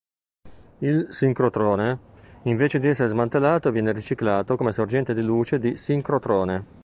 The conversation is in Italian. Il sincrotrone invece di essere smantellato viene riciclato come sorgente di luce di sincrotrone.